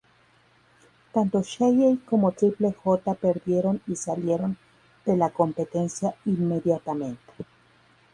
Tanto Shelley como Triple J perdieron y salieron de la competencia inmediatamente.